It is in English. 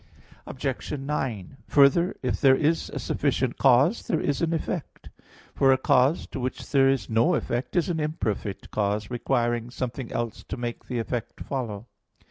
Obj. 9: Further, if there is a sufficient cause, there is an effect; for a cause to which there is no effect is an imperfect cause, requiring something else to make the effect follow.